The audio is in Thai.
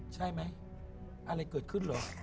ใช่ไหมอะไรเกิดขึ้นเหรอ